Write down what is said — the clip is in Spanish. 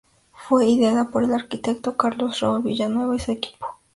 Fue ideada por el arquitecto Carlos Raúl Villanueva y su equipo.